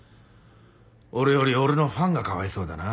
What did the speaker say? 俺より俺のファンがかわいそうだな。